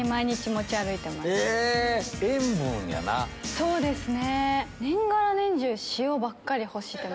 そうですね。